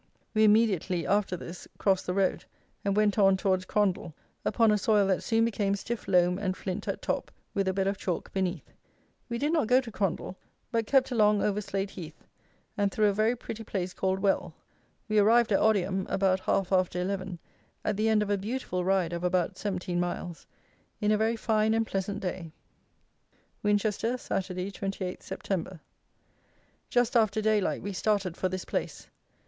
We immediately, alter this, crossed the road, and went on towards Crondall upon a soil that soon became stiff loam and flint at top with a bed of chalk beneath. We did not go to Crondall; but kept along over Slade Heath, and through a very pretty place called Well. We arrived at Odiham about half after eleven, at the end of a beautiful ride of about seventeen miles, in a very fine and pleasant day. Winchester, Saturday, 28th September. Just after daylight we started for this place.